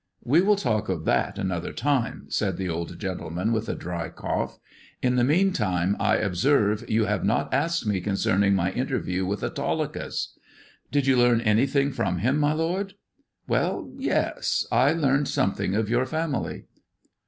" We will talk of that another time," said the old gentle man, with a dry cough; '*in the meantime I observe you have not asked me concerning my interview with Autolycus." " Did you learn anything from him, my lord 1 "" Well, yes ; I learned something of your family."